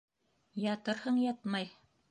Ятырһың - ятмай!